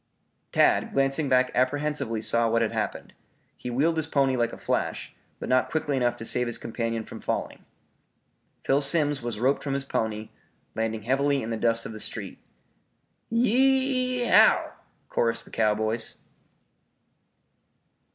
Tad, glancing back apprehensively saw what had happened. He wheeled his pony like a flash, but not quickly enough to save his companion from falling. Phil Simms was roped from his pony, landing heavily in the dust of the street. "Y e o w!" chorused the cowboys.